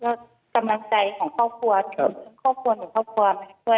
ก็กำลังใจของครอบครัวถึงครอบครัวหนึ่งครอบครัวมาช่วย